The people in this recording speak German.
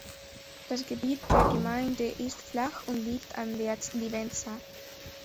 Das Gebiet der Gemeinde ist flach und liegt an der Livenza.